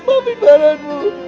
amin farhan bu